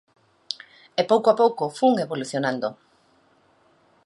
E pouco a pouco fun evolucionando.